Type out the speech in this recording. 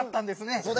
そうだよ。